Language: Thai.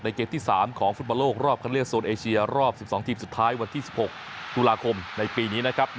เกมที่๓ของฟุตบอลโลกรอบคันเลือกโซนเอเชียรอบ๑๒ทีมสุดท้ายวันที่๑๖ตุลาคมในปีนี้นะครับ